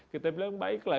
kita bilang baiklah